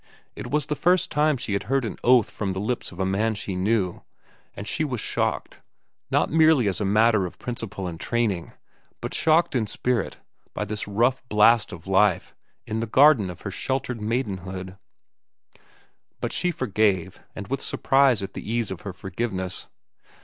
It was the first time she had heard an oath from the lips of a man she knew, and she was shocked, not merely as a matter of principle and training, but shocked in spirit by this rough blast of life in the garden of her sheltered maidenhood. But she forgave, and with surprise at the ease of her forgiveness.